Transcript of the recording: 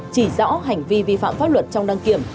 chỉ rõ hành vi vi phạm pháp luật trong đăng kiểm